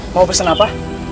mau pesan apa